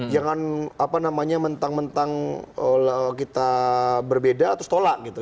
jangan apa namanya mentang mentang kita berbeda terus tolak gitu